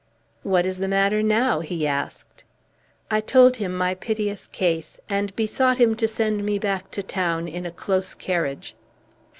"What is the matter now?" he asked. I told him my piteous case, and besought him to send me back to town in a close carriage.